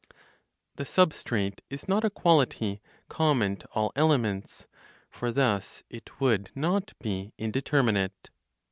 THE SUBSTRATE IS NOT A QUALITY COMMON TO ALL ELEMENTS; FOR THUS IT WOULD NOT BE INDETERMINATE.